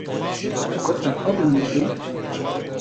Tu qerfên xwe bi min dikî?